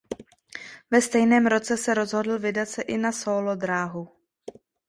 Ve stejném roce se rozhodl vydat se i na sólo dráhu.